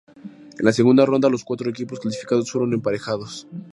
En la segunda ronda los cuatro equipos clasificados fueron emparejados.